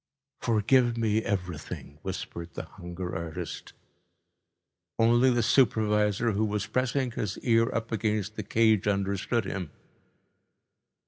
"Forgive me everything," whispered the hunger artist. Only the supervisor, who was pressing his ear up against the cage, understood him.